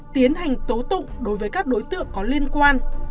tiến hành tố tụng đối với các đối tượng có liên quan